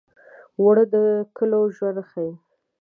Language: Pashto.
اوړه د کلو ژوند ښيي